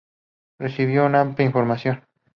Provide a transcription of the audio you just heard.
Recibió una amplia formación.